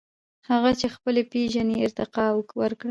• هغه چې خپله پېژنې، ارتقاء ورکړه.